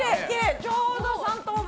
ちょうど３等分。